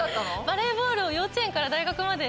バレーボールを幼稚園から大学まで。